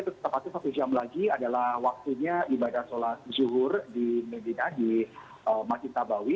tepatnya satu jam lagi adalah waktunya ibadah sholat zuhur di medina di masjid nabawi